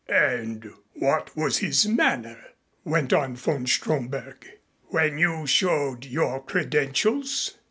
"And what was his manner," went on von Stromberg, "when you showed your credentials?"